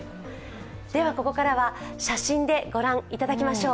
ではここからは写真で御覧いただきましょう。